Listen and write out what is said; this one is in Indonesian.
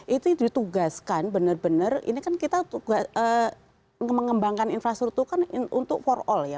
itu ditugaskan benar benar ini kan kita mengembangkan infrastruktur kan untuk for all ya